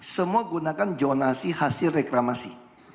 semua gunakan jonasi hasil reklamasi